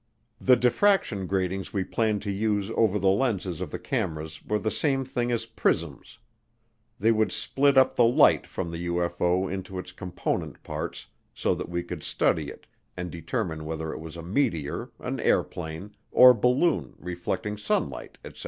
The diffraction gratings we planned to use over the lenses of the cameras were the same thing as prisms; they would split up the light from the UFO into its component parts so that we could study it and determine whether it was a meteor, an airplane, or balloon reflecting sunlight, etc.